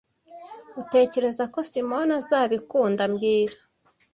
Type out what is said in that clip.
Utekereza ko Simoni azabikunda mbwira